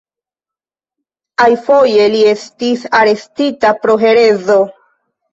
Iafoje li estis arestita pro herezo.